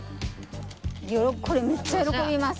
これめっちゃ喜びます！